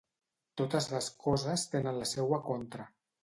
Totes les coses tenen la seua contra.